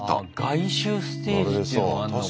外周ステージっていうのがあんのか。